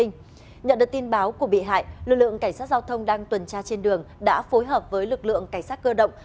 nhận được tin báo của bị hại lực lượng cảnh sát giao thông đang tuần tra trên đường đã phối hợp với lực lượng cảnh sát cơ động